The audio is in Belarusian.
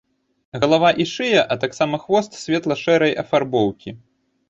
Галава і шыя, а таксама хвост светла-шэрай афарбоўкі.